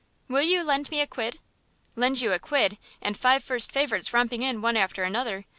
"Will you lend me a quid?" "Lend you a quid and five first favourites romping in one after another!